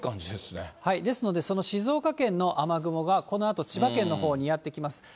ですので、その静岡県の雨雲が、このあと、千葉県のほうにやって来ます。